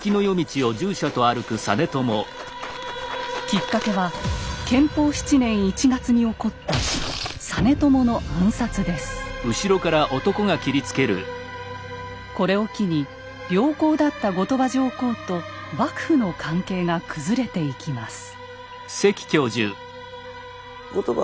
きっかけは建保７年１月に起こったこれを機に良好だった後鳥羽上皇と幕府の関係が崩れていきます。